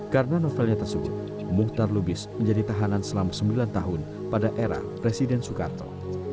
karena novelnya tersebut muhtar lubis menjadi tahanan selama sembilan tahun pada era presiden soekarto